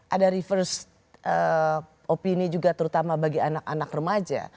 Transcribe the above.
ada reverse opini juga terutama bagi anak anak remaja